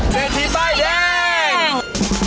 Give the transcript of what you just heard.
เศรษฐีแป้แดง